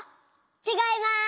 ちがいます。